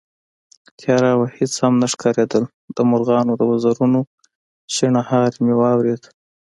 تياره وه، هېڅ هم نه ښکارېدل، د مرغانو د وزرونو شڼهاری مې واورېد